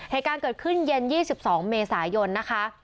เหตุการณ์เกิดขึ้นเย็นยี่สิบสองเมษายนนะคะ